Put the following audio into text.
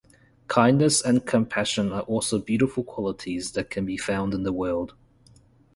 Kindness and compassion are also beautiful qualities that can be found in the world.